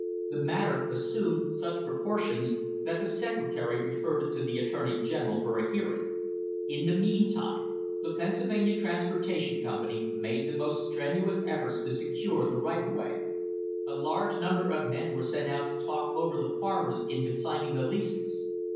The matter assumed such proportions that the secretary referred it to the attorney general for a hearing. In the meantime the Pennsylvania Transportation Company ma3e the most strenuous efforts to secure the right of way. A large number of men were sent out to talk over the farmers into signing the leases.